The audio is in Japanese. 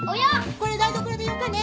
これ台所でよかね。